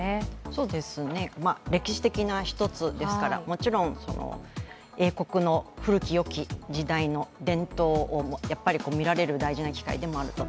そうですね、歴史的な一つですから、もちろん英国の古きよき時代の伝統の行事を見られる大事な機会でもあると。